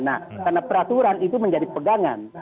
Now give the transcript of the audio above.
nah karena peraturan itu menjadi pegangan